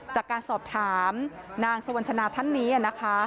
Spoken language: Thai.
จากการสอบถามนางสวรรณชนาท่านนี้นะคะ